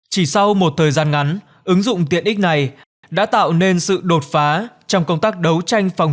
chỉ sau một thời gian ngắn ứng dụng tiện ích này đã tạo nên sự đột phá trong công tác đấu tranh phòng